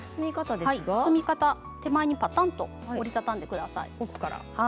包み方、手前にぱたんと折り畳んでください。